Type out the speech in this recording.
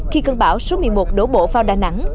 khi cơn bão số một mươi một đổ bộ vào đà nẵng